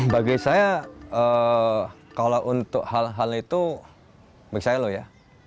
bagi saya kalau untuk hal hal itu baik saya loh ya